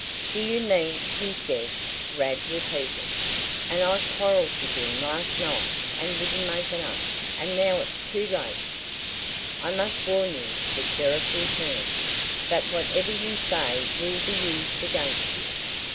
"Do you mean he's dead?" Rad repeated. "And I quarrelled with him last night and wouldn't make it up and now it's too late." "I must warn you," the sheriff returned, "that whatever you say will be used against you."